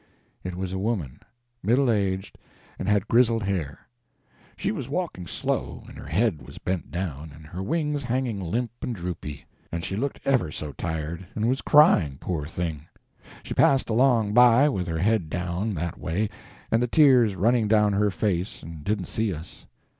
It was a woman. Middle aged, and had grizzled hair. She was walking slow, and her head was bent down, and her wings hanging limp and droopy; and she looked ever so tired, and was crying, poor thing! She passed along by, with her head down, that way, and the tears running down her face, and didn't see us.